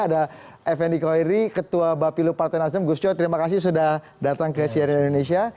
ada fnd hoiri ketua bapilu partai nazim gus coy terima kasih sudah datang ke sri indonesia